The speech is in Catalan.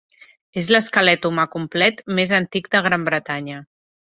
És l'esquelet humà complet més antic de Gran Bretanya.